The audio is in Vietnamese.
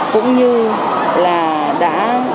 cũng như là đã